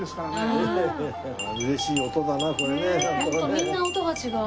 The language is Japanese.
ホントみんな音が違う。